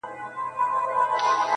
زما په جونګړه کي بلا وکره-